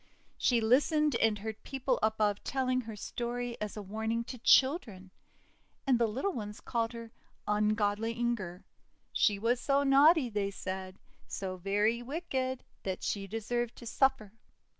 She listened and heard people above telling her story as a warning to children. And the little ones called her "un godly Inger." "She was so naughty," they said, ;<so very wicked, that she deserved to suffer."